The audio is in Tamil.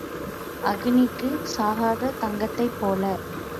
அக்கினிக்கும் சாகாத தங்கத்தைப் போல.